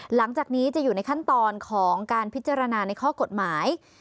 หลังจากนี้จะอยู่ในขั้นตอนของการพิจารณาในข้อกฎหมาย